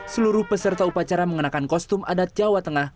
seluruh peserta upacara mengenakan kostum adat jawa tengah